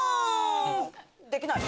できない。